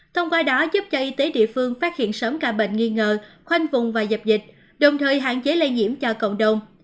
thông qua đó giúp cho y tế địa phương phát hiện sớm ca bệnh nghi ngờ khoanh vùng và dập dịch đồng thời hạn chế lây nhiễm cho cộng đồng